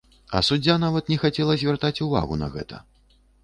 А суддзя нават не хацела звяртаць увагу на гэта!